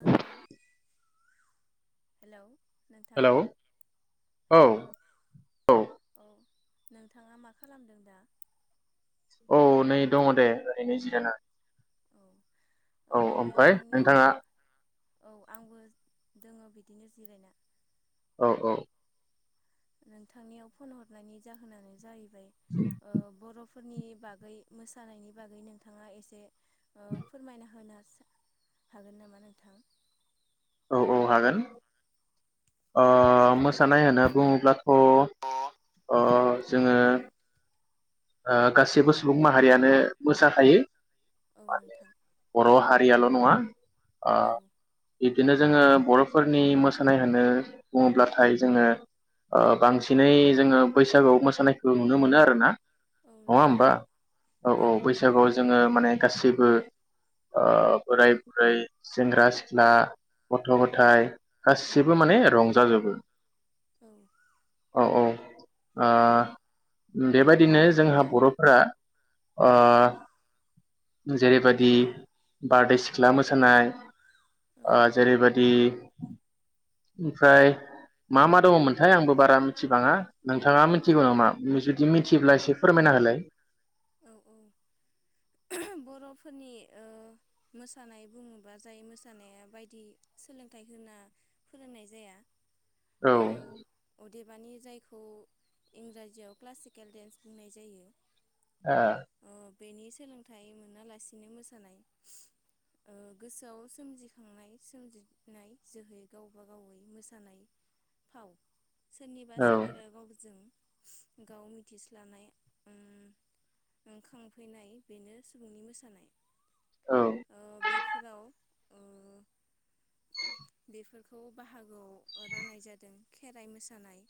नोंथां हेलौ नोंथां हेलौ औ हेलौ औ औ नोंथाङा मा खालामदों दा? औ नै दङ दे ओरैनो जिरायना औ औ ओमफ्राय नोंथांनियाव नोंथाङा ओमफ्राय नोंथाङा औ आंबो दोंङो बिदिनो जिरायना औ औ। नोंथांनियाव फन हरनायनि जाहोनानो जाहै बाय ओ बर' बिफोरनि बागै मोसानायनि बागै नोंथाङा एसे ओ फोरमायना होनो हागोन नामा नोंथां? औ औ हागोन। ओ मोसानाय होनना बुंङोब्लाथ ओ जोङो ओ गासैबो सुबुं माहारियानो मोसाखायो, औ नोंथां बर'हारियाल' नङा [inaudible] ओ औ बिदिनो जोंङो बर'फोरनि मोसानाय होनो बुङोब्लाथाय जोङो ओ बांसिनै जोङो बैसागु मोसानायखौ नुनो मोनो आरोना औ नंङा नोंथां होमबा? औ औ औ बैसागुआव जोंङो माने गाससिब ओम ओ बोराय बुरै सेंग्रा सिख्ला गथ गथाय गासिबो माने रंजाजोबो औ औ औ ओह बेबायदिनो जोंहा बर'फोरा ओ जेरैबायदि बारदै सिख्ला मोसानाय ओ जेरैबायदि ओमफ्राय मा मा दङमोनथाय आंबो बारा मिथिबाङा नोंथाङा मिथिगौ औ नामा? जुदि मि मिथियोब्ला एसे फोरमायना होलाय औ औ बर'फोरनि। ओ मोसानाय बुङोबा जाय मोसानाया बायदि सोलोंथाइ होना फोरोंनाय जाया औ देबानि जायखौ इंराजियाव क्लासिकेल डेन्स बुंनाय जायो। ओ बेनि सोलोंथाइ मोन मोनालासिनो मोसानाय ओ गोसोआव सोमजिखांनाय सोमजिनाय जोहै गावबा गावै मोसानाय फाव सोरनिबा ओ सोलेरा गावजों गाव मिथिस्लानाय ओ ओंखां उखैनाय बेनो सुबुंनि मोसानाय। औ ओ बेफोराव ओ बेफोरखौ बाहागोआव राननाय जादों खेराइ मोसानाय।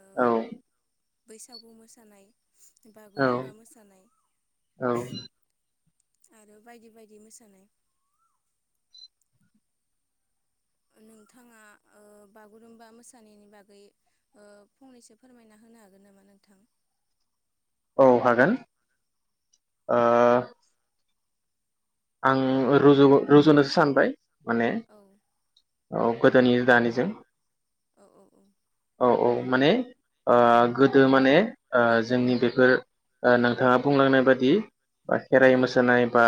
ओ औ बैसागु मोसानाय, औ बागुरुम्बा मोसानाय औ आरो बायदि बायदि मोसानाय नोंथाङा ओ बागुरुम्बा मोसानायनि बागै ओ फंनैसो फोरमायना होनो हागोन नामा नोंथां? औ हागोन ओ आं रुजु रुजुनोसो सानबाय, माने औ औ गोदोनि दानिजों औ औ औ औ औ माने ओ गोदो माने ओ जोंनि बेफोर ओ नोंथाङा बुंलांनाय बादि बा खेराइ मोसानाय बा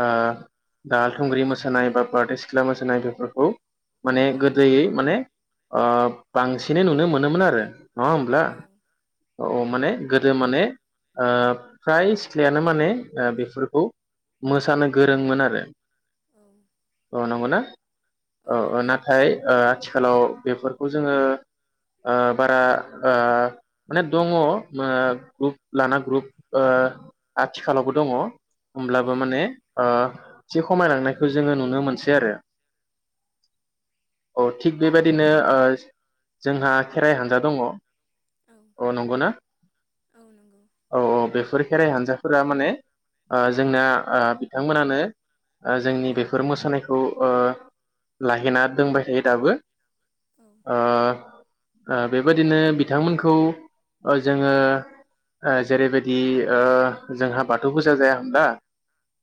ओ दाहाल थुंग्रि मोसानाय बा बारदै सिख्ला मोसानाय बेफोरखौ माने गोदोयै माने आह बांसिनै नुनो मोनोमोन आरो नङा होमब्ला औ औ माने गोदो माने ओ फ्राय सिख्लायानो माने ओ बेफोरखौ मोसानो गोरोंमोन आरो औ औ नंगौ ना? औ नाथाय ओ आथिखालाव, बेफोरखौ जोङो ओ बारा ओ माने दङ ग्रुप लाना ग्रुप आथिखालावबो दङ औ होमब्लाबो माने ओ एसे खमायलांनायखौ जोङो नुनो मोनसै आरो औ थिग बेबायदिनो ओ जोंहा खेराइ हान्जा दङ औ अ नंगौना औ नंगौ औ औ बेफोर खेराइ हानजाफोरा माने ओ जोंना ओ बिथांमोनानो ओ जोंनि बेफोर मोसानायखौ ओ लाहेना दोंबाय थायो दाबो औ ओ बेबादिनो बिथांमोनखौ जोङो जेरैबायदि जोंहा बाथौ फुजा जाया होमब्ला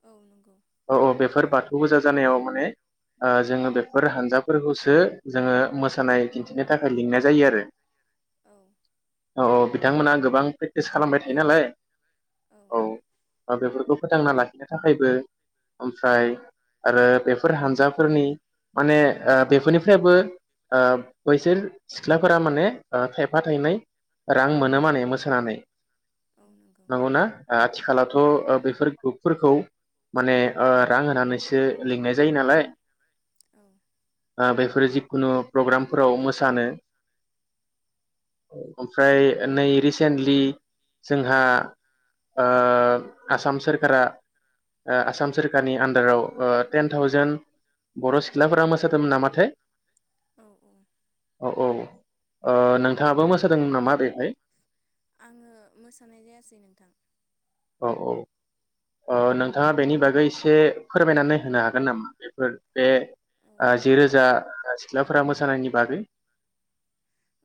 औ नंगौ औ औ बेफोर बाथौबो जाग जानायाव माने जोङो बेफोर हानजाफोरखौसो जोङो मोसानाय दिन्थिनो थाखाय लिंनाय जायो आरो औ औ औ बिथांमोनहा गोबां प्रेक्टिस खालामबाय थायो नालाय औ दा बेफोरखौ फोथांना लाखिनो थाखायबो ओमफ्राय आरो बेफोर हानजाफोरनि माने बेफोरनिफ्रायबो बैसोर सिख्लाफोरा माने थायफा थायनै रां मोनो माने मोसानानै। औ नंगौ नंगौना आथिखालावथ औ बेफोर ग्रुपफोरखौ माने ओ रां होनानैसो लिंनाय जायो नालाय। औ आ बे बेफोर जिखुनु प्रग्रामफोराव मोसानो ओमफ्राय नै रिसेन्टलि जोंहा आसाम सोरखारा आसाम सोरखारनि आन्दाराव टेन थावजेेन बर' सिख्लाफोरा मोसादोंमोन नामाथाय औ औ औ औ ओ नोंथाङाबो मोस होदोंमोन नामा बेहाय आङो मोसानाय जायासै नोंथां औ औ नोंथाङा बेनि बागै एसे फोरमायनानै होनो हागोन नामा बेफोर बे औ जि रोजा सिख्लाफोरा मोसानायनि बागै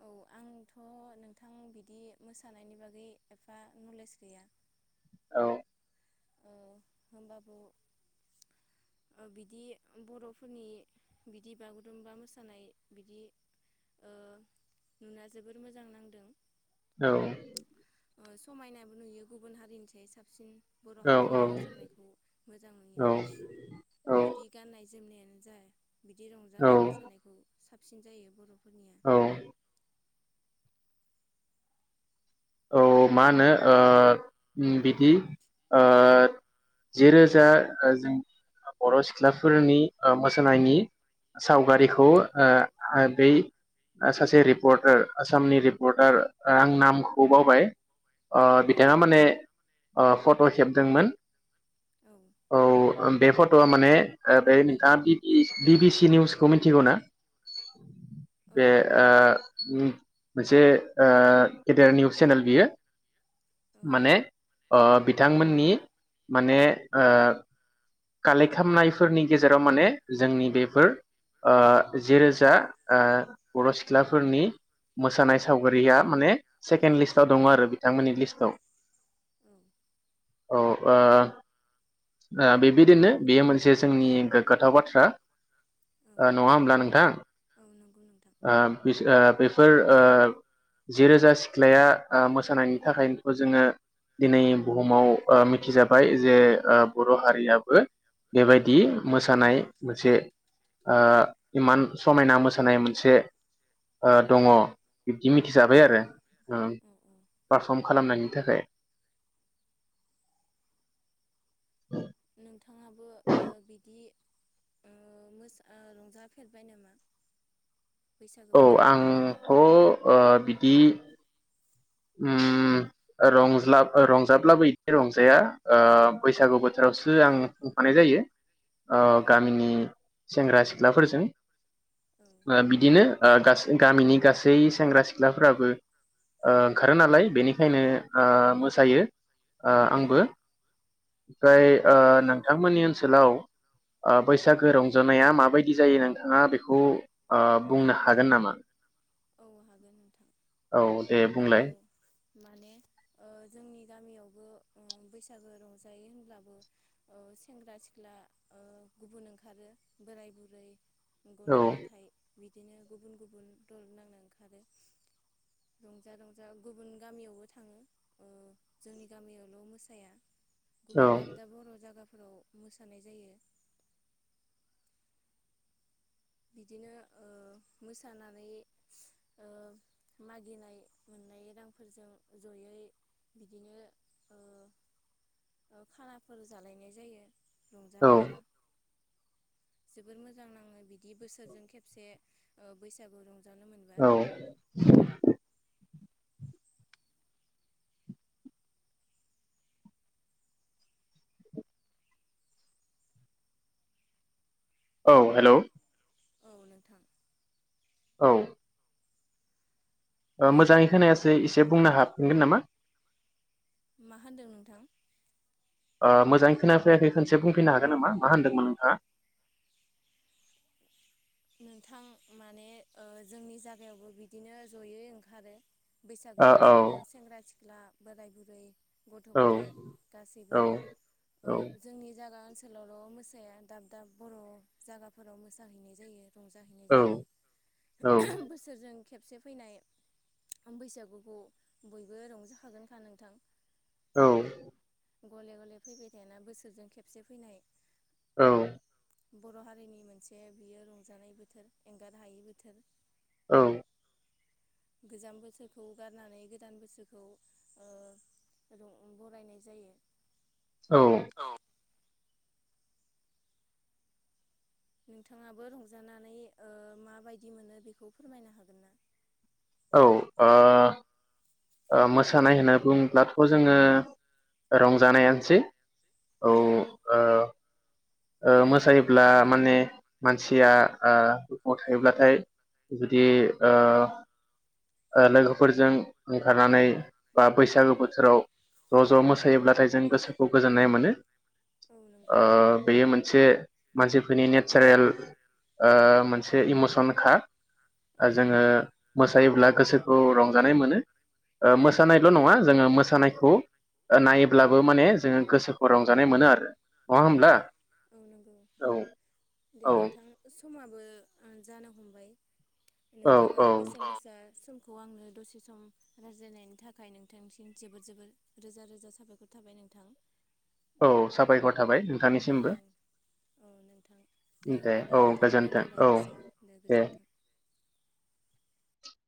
औ आंथ नोंथां [unintelligible] बिदि मोसानायनि बागै एफा नलेज गैया। औ ओ होनबाबो ओ बिदि बरफोरनि बिदि बागुरुमबा मोसानाय बिदि ओ नुना जोबोर मोजां नांदों औ। समायनाबो नुयो गुबुन हारिनिफ्राय साबसिन बर' औ हारिनि मोसानायखौ मोजां मोनो औ बिदि गाननाय जोमनायानो [unintelligible] बिदि औ रंजानाय मोसानायखौ साबसिन जायो बर औ। औ मा होनो ओ बिदि ओ जि रोजा जों बर सिख्लाफोरनि मोसानायनि सावगारिखौ ओ बै सासे रिपर्टार आसामनि रिपर्टार आं नामखौ खौ बावबाय ओ औ बिथाङा माने फट खेबदोंमोन। औ ओ बे फट'आ माने बे बिथाङा बि इ बि टि सि निउसखौ मिथिगौना? औ बे ओ ओम मोनसे ओ गेदेर नि चेनेल बियो औ माने ओ बिथांमोननि माने ओ कालेक्ट खालामनायफोरनि गेजेराव माने जोंनि बेफोर ओ जिरोजा ओ बर सिख्लाफोरनि मोसानाय सावगारिया माने सेकेणड लिस्टाव दङ आरो बिथांमोननि लिस्टआव। औ। औ ओ ओ बे‌ बिदिनो बेयो मोनसे जोंनि गोग्गाथाव बाथ्रा औ ओ नङा होमब्ला नोंथां? औ नंगौ नोंथां ओ बिस ओ बेस फोर ओ जिरोजा सिख्लाया ओ मोसानायनि थाखायनोथ जोङो दिनै बुहुमाव ओ मिथिजाबाय जे ओ बर' हारियाबो बेबायदि मोसानाय मोनसे ओ इमान समायना मोसानाय मोन से ओ दङ। बिब्दि औ मिथिजाबाय आरो ओम औ औ पारफर्म खालामनायनि थाखाय। [inaudible] नोंथाङाबो ओ बिदि ओ मोसा ओ रंजाफेरबाय नामा? बैसागो औ बोथोरफोराव नोंथां आंथ' ओ बिदि उम ओ रंज्ला ओ रंजाब्लाबो बिदि रंजाया ओ बैसागु बोथोरावसो आं खुंफानाय जायो ओ औ गामिनि सेंग्रा सिख्लाफोरजों। औ ओ बिदिनो ओ गास गामिनि गासै सेंग्रा सिख्लाफोराबो ओ ओंखारो नालाय बेनिखायनो ओ मोसायो। ओ औ आंबो। ओमफ्राय ओ नोंथांमोननि ओनसोलाव ओ बैसागो रंजानाया माबायदि जायो नोंथाङा बेखौ ओ बुंनो हागोन नामा? औ हागोन नोंथां। औ दे औ बुंलाय। माने ओ जोंनि गामियावबो ओ बैसागो रंजायो होनब्लाबो ओ सेंग्रा सिख्ला ओ गुबुन ओंखारो बोराय बुरै। गथ औ गथाय बिदिनो गुबुन गुबुन दल नांनो ओंखारो रंजा रंजा गुबुन गामियावबो थाङो ओ जोंनि गामियावल' मोसाया। औ गुबुन दाब दाब बर' जागाफो फोराव मोसानाय जायो। बिदिनो ओ मोसानानै ओ मागिनाय मोननाय रांफोरजों जयै बिदिनो ओ ओ खानाफोर जालायनाय जायो। रंजा औ बाजा। जोबोर मोजां नाङो बि दि बोसोरजों खेबसे ओ बैसागु रं औ। औ हेलौ। औ नोंथां। औ। ओ नों मोजाङै उम खोनायासै एसे बुंनो हाफिनगोन नामा? मा होनदों नोंथां? मोजाङै खोनायफैयाखै खनसे बुंफैनो हागोन नामा मा होनदोंमोन नोंथांङा? नोंथां माने जोंनि जायागायावबो बिदिनो जयै ओंखारो। बैसागु ओ सेंग्रा सिख सिख्ला बोराय बुरै गथ' औ गथायाइ गासैबो औ औ जोंनि जागा ओनस ओनसोलावल' मोसाया दाब दाब बर' जायगाफोराव मोसाहैनाय जायो। रंजाहैनाय औ जायो बोसोरजों खेबसे फैनाय बैसागुखौ बयबो रंजाखागोनखा नोंथां। औ गले गले फैबाय थायाना बोसोरजों खेबसे फैनाय औ। बर' हारिनि मोनसे बियो रंजानाय बोथोर एंगार हायि बोथोर। औ गोजाम बोसोरखौ गारनानै गोदान बोसोरखौ ओ बरायनाय जायो। औ। नोंथाङाबो रंजानानै ओ माबायदि मोनो बेखौ फोरमायनो हागोन ना? औ ओ ओ मोसानाय होनना बुङोब्लाथ जोंङो रंजानायानोसै औ ओ ओ मोसायोब्ला माने मानसिया ओ दुखुवाव थायोब्लाथाय जुदि ओ लोगोफोरजों ओंखारनानै बा बैसागो बोथोराव ज' ज' मोसायोब्लाथाय जों गोसोखौ गोजोननाय मोनो। नंगौ ओ बे मोनसे मानसिफोरनि नेचारेल मोनसे इमसनखा औ जोङो नंगौ मोसायोब्ला गोसोखौ रंजानाय मोनो। ओ औ मोसानायल नङा जोंङो मोसानायखौ नायोब्लाबो माने जोंङो गोसोखौ रंजानाय मोनो आरो नङा औ होमब्ला। औ नंगौ औ दे औ नोंथां समा बो जानो हमबाय औ नोंथाङा औ बेसेनगोसा सम खौ आंनो दसे सम रायज्लायनायनि थाखाय नोंथांसिम जोबोद जोबोद रोजा रोजा साबायखर थाबाय नोंथां। औ साबायखर थाबाय नों औ औ नोंथां दे होमबालाय औ नोंथां गोजोन्थों औ दोनथलायनोसै दे गोजोन्थों। [inaudible]